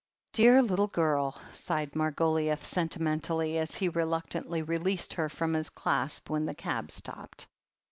"Dear little girl !" sighed Margoliouth sentimentally, as he reluctantly released her from his clasp when the cab stopped.